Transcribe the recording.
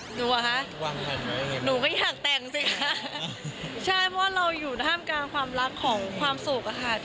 เหรอคะหนูไม่อยากแต่งสิคะใช่เพราะเราอยู่ท่ามกลางความรักของความสุขอะค่ะ